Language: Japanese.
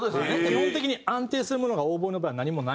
基本的に安定するものがオーボエの場合は何もないので。